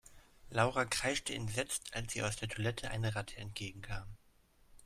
Laura kreischte entsetzt, als ihr aus der Toilette eine Ratte entgegenkam.